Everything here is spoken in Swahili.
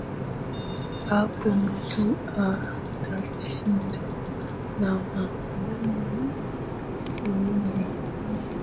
Hapo mtu atashinda, na magumu kumhuni